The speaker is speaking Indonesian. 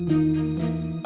tidak ada masalah